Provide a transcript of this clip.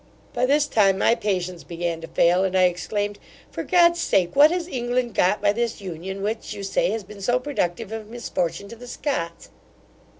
By this time my patience began to fail and I exclaimed, 'For God's sake, what has England got by this union which, you say, has been so productive of misfortune to the Scots.